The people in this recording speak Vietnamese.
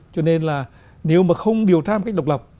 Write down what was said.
cho nên là nếu mà không điều tra một cách độc lập